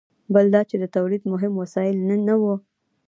بل دا چې د تولید مهم وسایل نه وو.